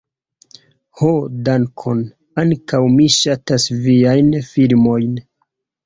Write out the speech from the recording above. Ho dankon! ankaŭ mi ŝatas viajn filmojn